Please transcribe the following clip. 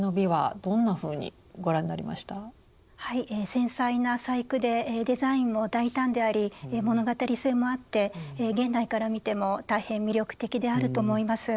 繊細な細工でデザインも大胆であり物語性もあって現代から見ても大変魅力的であると思います。